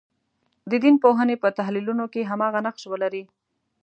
د دین پوهنې په تحلیلونو کې هماغه نقش ولري.